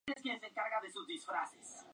Le Plessis-l'Échelle